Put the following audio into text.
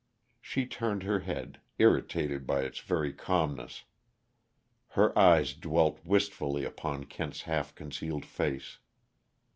She turned her head, irritated by its very calmness. Her eyes dwelt wistfully upon Kent's half concealed face.